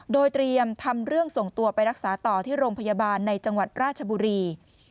โดยเตรียมทำเรื่องส่งตัวไปรักษาต่อที่โรงพยาบาลในจังหวัดราชบุรี